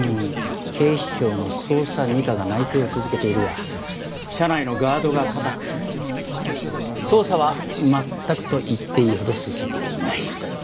警視庁の捜査二課が内偵を続けているが社内のガードが固く捜査は全くと言っていいほど進んでいない。